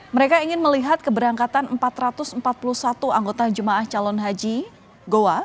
mereka ingin melihat keberangkatan empat ratus empat puluh satu anggota jemaah calon haji goa